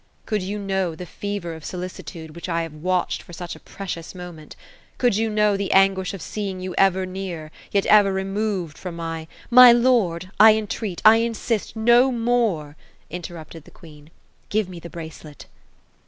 Could you know the fever of solicitude, with which I have watched for such a precious momeDt — could jou know the * anguish of seeing jou ever near, yet ever removed from my ^"'^ My lord — I entreat — I insist ; no more I" interrupted the queen. " Give me the hracelet."